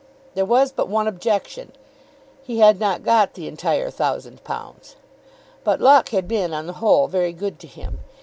There was but one objection. He had not got the entire thousand pounds. But luck had been on the whole very good to him.